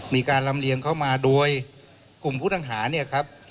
มีการลำเลียงเข้ามาโดยกลุ่มผู้ต้องหาเนี่ยครับ